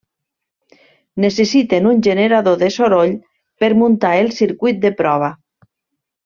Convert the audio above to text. Necessiten un generador de soroll per muntar el circuit de prova.